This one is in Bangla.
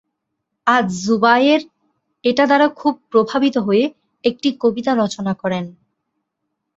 আয-জুবায়ের এটা দ্বারা খুব প্রভাবিত হয়ে একটি কবিতা রচনা করেন।